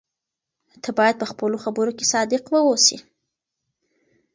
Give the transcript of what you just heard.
ته باید په خپلو خبرو کې صادق واوسې.